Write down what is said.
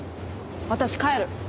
私帰る。